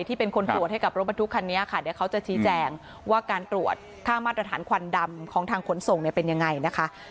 ที่เป็นคนตรวจให้กับรถบรรทุกคันนี้ค่ะเดี๋ยวเขาจะชี้แจงว่าการตรวจค่ามาตรฐานควันดำของทางขนส่งเนี่ยเป็นยังไงนะคะ